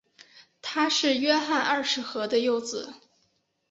他是约翰二世和的幼子。